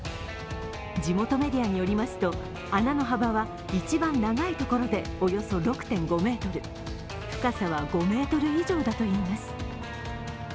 地元メディアによりますと、穴の幅は一番長いところでおよそ６．５ｍ、深さは５ｍ以上だといいます。